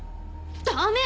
ダメ！